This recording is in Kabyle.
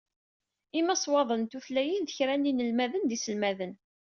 Imaswaḍen n tutlayin d kra n yinemhalen d yiselmaden.